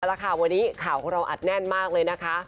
เอาละค่ะวันนี้ข่าวของเราอัดแน่นมากเลยนะคะ